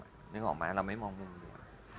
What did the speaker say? ในหลายมุมนึกออกไหมเราไม่มองมุมด้วย